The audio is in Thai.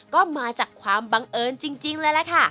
ก็มาจากความบังเอิญจริงเลยล่ะค่ะ